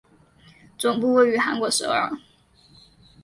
总部位于韩国首尔。